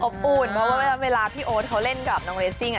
อุ่นเพราะว่าเวลาพี่โอ๊ตเขาเล่นกับน้องเรสซิ่ง